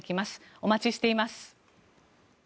お待ちしています。